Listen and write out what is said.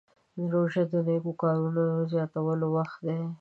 روژه د نیکو کارونو زیاتولو وخت دی.